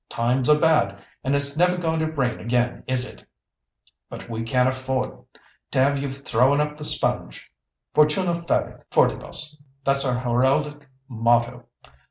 Times are bad, and it's never going to rain again, is it? But we can't afford to have you throwing up the sponge. Fortuna favet fortibus, that's our heraldic motto.